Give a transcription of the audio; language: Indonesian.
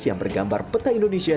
yang bergambar peta indonesia